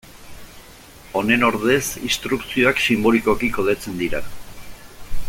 Honen ordez instrukzioak sinbolikoki kodetzen dira.